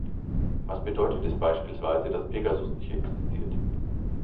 Was bedeutet es beispielsweise, dass Pegasus nicht existiert?